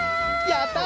やった！